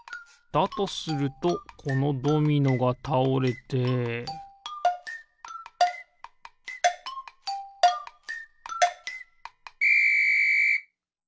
だとするとこのドミノがたおれてピッ！